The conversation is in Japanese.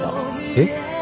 えっ？